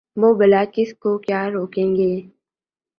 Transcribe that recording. وہ بلا کس کو کیا روک گے ۔